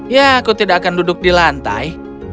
ya aku tidak akan duduk di lantai